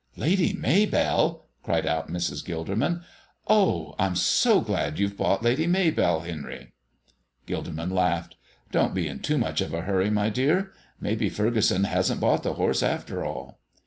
"Lady Maybell!" cried out Mrs. Gilderman. "Oh, I'm so glad you've bought Lady Maybell, Henry." Gilderman laughed. "Don't be in too much of a hurry, my dear. Maybe Furgeson hasn't bought the horse, after all."